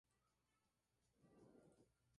Es un miedo patológico e irracional hacia el papel.